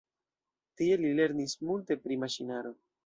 Tie li lernis multe pri maŝinaro.